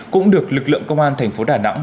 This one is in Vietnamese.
cũng được lực lượng công an thành phố đà nẵng